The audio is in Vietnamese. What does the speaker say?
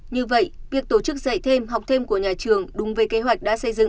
như vậy việc tổ chức dạy thêm học thêm của nhà trường đúng với kế hoạch đã đạt được